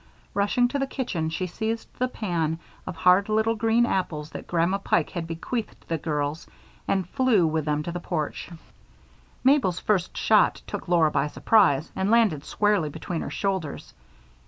Rushing to the kitchen she seized the pan of hard little green apples that Grandma Pike had bequeathed the girls and flew with them to the porch. Mabel's first shot took Laura by surprise and landed squarely between her shoulders.